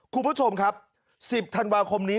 คุณผู้ชมครับ๑๐ธันวาคมนี้